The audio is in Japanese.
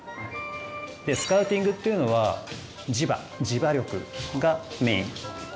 でスカウティングっていうのは磁場磁場力がメイン。